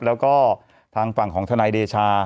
แล้วก็ทางฝั่งของทนายเดชา